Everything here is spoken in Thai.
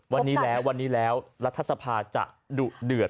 วันนี้แล้ววันนี้แล้วรัฐสภาจะดุเดือด